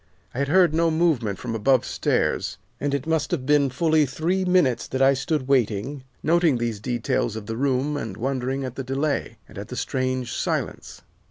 I had heard no movement from above stairs, and it must have been fully three minutes that I stood waiting, noting these details of the room and wondering at the delay, and at the strange silence.